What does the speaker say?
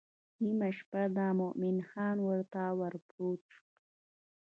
نیمه شپه ده مومن خان ورته ورپورته شو.